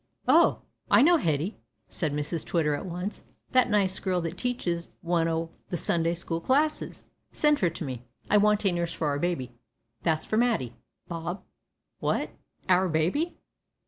"`Oh! I know Hetty,' says Mrs Twitter at once, `That nice girl that teaches one o' the Sunday school classes. Send her to me. I want a nurse for our baby,' that's for Matty, Bob " "What! our baby!"